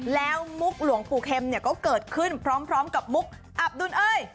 แล้วมุกหลวงปู่เข็มเนี่ยก็เกิดขึ้นพร้อมกับมุกอับดุลเอ้ย